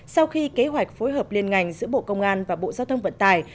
sau khi kế hoạch phối hợp liên ngành giữa bộ công an và bộ giao thông vận tải